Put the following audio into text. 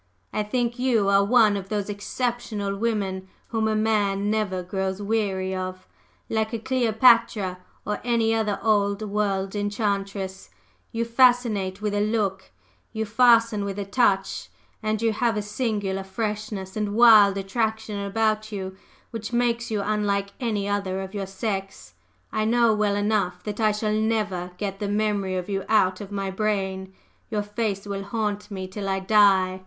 "I think you are one of those exceptional women whom a man never grows weary of: like a Cleopatra, or any other old world enchantress, you fascinate with a look, you fasten with a touch, and you have a singular freshness and wild attraction about you which makes you unlike any other of your sex. I know well enough that I shall never get the memory of you out of my brain; your face will haunt me till I die!"